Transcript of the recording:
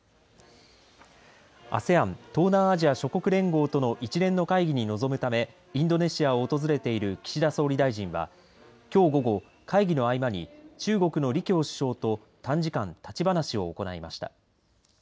ＡＳＥＡＮ、東南アジア諸国連合との一連の会議に臨むためインドネシアを訪れている岸田総理大臣はきょう午後、会議の合間に中国の李強首相と短時間、立ち話を行いました。